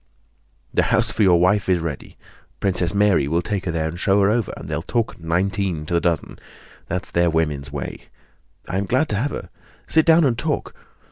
"The house for your wife is ready. Princess Mary will take her there and show her over, and they'll talk nineteen to the dozen. That's their woman's way! I am glad to have her. Sit down and talk.